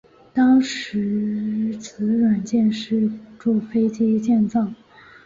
当时此软件是辅助飞机建造。